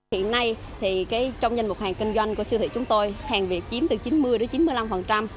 hiện nay thì trong danh mục hàng kinh doanh của siêu thị chúng tôi hàng việt chiếm từ chín mươi đến chín mươi năm